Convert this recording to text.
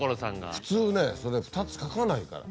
普通ねそれ２つ描かないから。